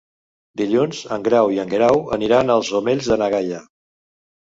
Dilluns en Grau i en Guerau aniran als Omells de na Gaia.